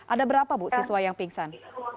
ada berapa bu siswa yang pingsan